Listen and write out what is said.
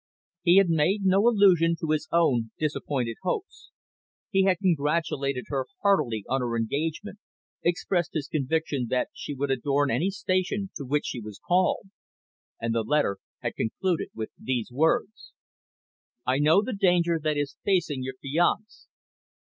He had made no allusion to his own disappointed hopes. He had congratulated her heartily on her engagement, expressed his conviction that she would adorn any station to which she was called. And the letter had concluded with these words. "I know the danger that is threatening your fiance.